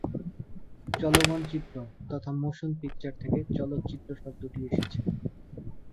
চলমান চিত্র তথা "মোশন পিকচার" থেকে চলচ্চিত্র শব্দটি এসেছে।